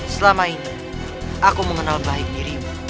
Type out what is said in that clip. selama ini aku mengenal baik dirimu